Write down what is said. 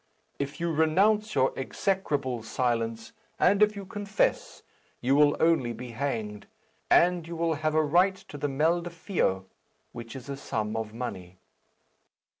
If you renounce your execrable silence, and if you confess, you will only be hanged, and you will have a right to the meldefeoh, which is a sum of money."